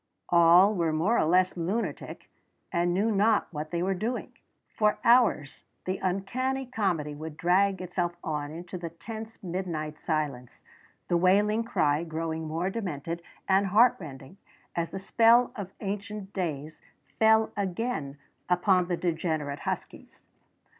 All were more or less lunatic, and knew not what they were doing. For hours the uncanny comedy would drag itself on into the tense midnight silence, the wailing cry growing more demented and heartrending as the spell of ancient days fell again upon the degenerate huskies.